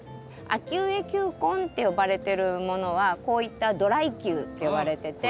秋植え球根って呼ばれてるものはこういったドライ球って呼ばれてて。